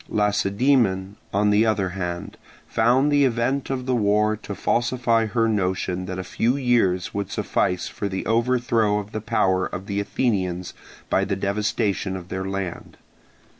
Lacedaemon, on the other hand, found the event of the war to falsify her notion that a few years would suffice for the overthrow of the power of the Athenians by the devastation of their land.